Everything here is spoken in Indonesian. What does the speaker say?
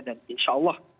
dan insya allah